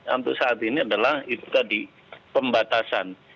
untuk saat ini adalah itu tadi pembatasan